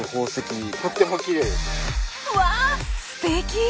うわすてき！